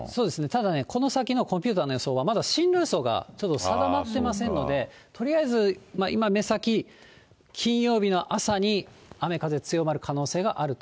ただね、この先のコンピューターの予想は、まだ進路予想がちょっと定まってませんので、とりあえず今目先、金曜日の朝に雨風強まる可能性があると。